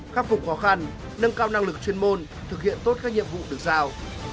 khắc phục khó khăn nâng cao năng lực chuyên môn thực hiện tốt các nhiệm vụ được giao